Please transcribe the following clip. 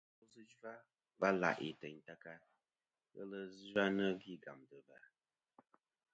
Và ni-a kel ndo sɨ zhwa va la'i teyn ta ka ghelɨ ghɨ zhwanɨ gvi gàmtɨ̀ và.